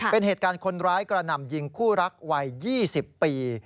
เป็นเหตุการณ์คนร้ายกระหน่ำยิงคู่รักวัย๒๐ปี